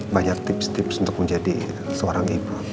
banyak tips tips untuk menjadi seorang ibu